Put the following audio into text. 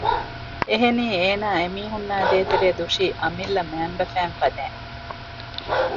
އެހެނީ އޭނާ އެމީހުންނާ ދޭތެރޭ ދުށީ އަމިއްލަ މައިންބަފައިން ފަދައިން